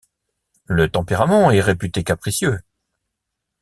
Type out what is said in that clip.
Le tempérament est réputé capricieux.